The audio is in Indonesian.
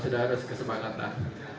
sudah harus kesepakatan